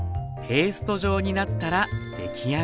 ペースト状になったら出来上がり。